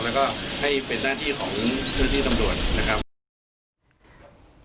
แล้วก็ให้เป็นหน้าที่ของเจ้าที่ตำรวจนะครับ